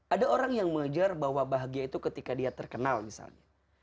ada orang yang mengejar bahwa bahagia itu ketika dia terkenal misalnya